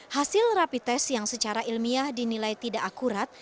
hasil rapi tes yang secara ilmiah dinilai tidak akurat